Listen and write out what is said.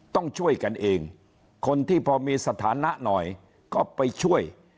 ต้องช่วยกันเองคนที่พอมีสถานะหน่อยก็ไปช่วย